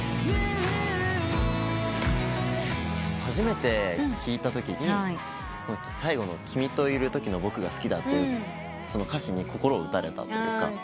初めて聴いたときに最後の「君といるときの僕が好きだ」っていうその歌詞に心打たれたというか。